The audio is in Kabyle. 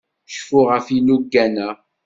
Cfu ɣef yilugan-a.